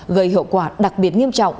gây hiệu quả đặc biệt nghiêm trọng